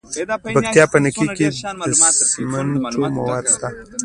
د پکتیکا په نکې کې د سمنټو مواد شته.